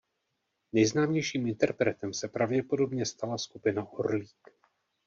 Nejznámějším interpretem se pravděpodobně stala skupina Orlík.